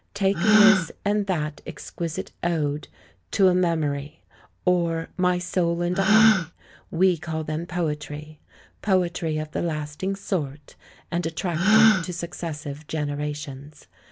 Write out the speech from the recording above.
Take this and that exquisite ode, To a Memory, or My Soul and I! We call them poetry ; poetry of the lasting sort, and attractive to successive generations.